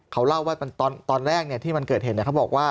เขาเล่าว่าตอนแรกที่มันเกิดเหตุเขาบอกว่า